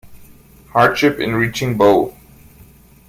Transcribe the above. Hardship in reaching Bo.